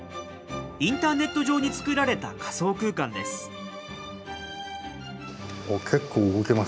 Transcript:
インターネット上に作られた仮想空間です。